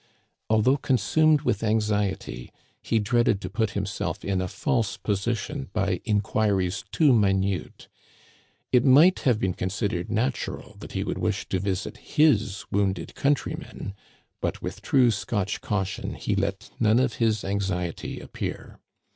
Although consumed with anxiety, he dreaded to put himself in a false position by inquiries too minute. It might have been considered natural that he would wish to visit his wounded countrymen, but with true Scotch caution he let none of his anxiety appear.